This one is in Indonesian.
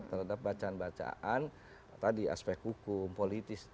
terhadap bacaan bacaan tadi aspek hukum politis